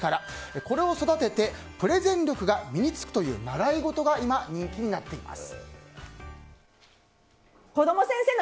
これを育ててプレゼン力が身に着くという習い事が今、人気になっています。